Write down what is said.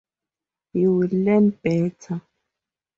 You will learn better.